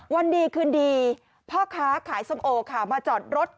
วันดีคืนดีพ่อค้าขายส้มโอค่ะมาจอดรถ